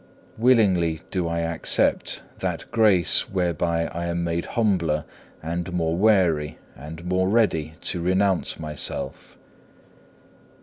Willingly do I accept that grace whereby I am made humbler and more wary and more ready to renounce myself.